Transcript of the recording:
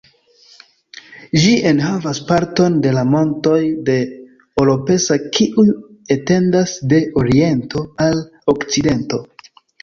Ĝi enhavas parton de la montoj de Oropesa kiuj etendas de oriento al okcidento.